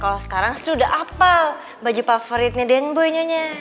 kalau sekarang seri udah apel baju favoritnya dendboynya